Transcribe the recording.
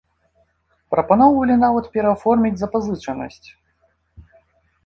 Прапаноўвалі нават перааформіць запазычанасць.